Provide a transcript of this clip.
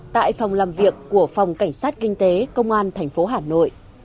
tại phòng làm việc của phòng cảnh sát kinh tế công an thành phố hà nội